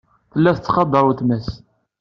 Tella tettqadar weltma-s.